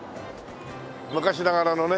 昔ながらのね